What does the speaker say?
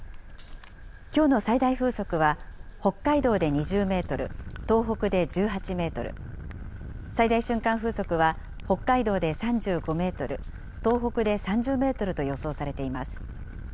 きょうの最大風速は、北海道で２０メートル、東北で１８メートル、最大瞬間風速は北海道で３５メートル、東北で３０メートルと予想されています。